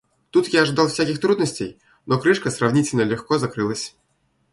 Тут я ожидал всяких трудностей, но крышка сравнительно легко закрылась.